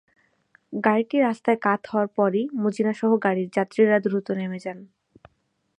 গাড়িটি রাস্তায় কাত হওয়ার পরই মজীনাসহ গাড়ির যাত্রীরা দ্রুত নেমে যান।